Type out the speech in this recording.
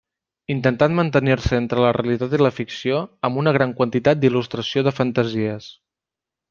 Intentant mantenir-se entre la realitat i la ficció, amb una gran quantitat d'il·lustració de fantasies.